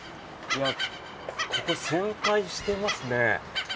ここ、旋回してますね。